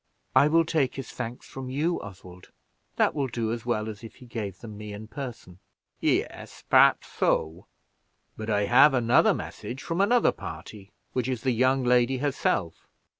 "I will take his thanks from you, Oswald: that will do as well as if he gave them me in person." "Yes, perhaps so; but I have another message from another party, which is the young lady herself.